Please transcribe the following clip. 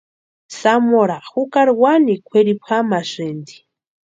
Zamora jukari wanikwa kwʼiripu jamasïnti.